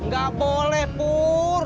gak boleh pur